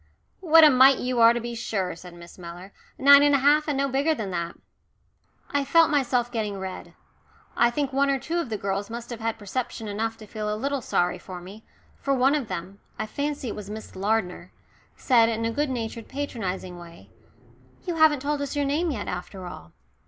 "What a mite you are, to be sure," said Miss Mellor, "nine and a half and no bigger than that." I felt myself getting red. I think one or two of the girls must have had perception enough to feel a little sorry for me, for one of them I fancy it was Miss Lardner said in a good natured patronising way, "You haven't told us your name yet, after all."